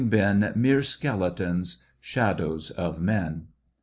been "mere skeletons," "shadows of men."